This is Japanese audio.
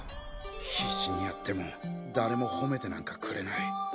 必死にやっても誰もほめてなんかくれない。